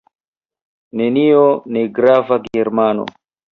Nenio: negrava Germano.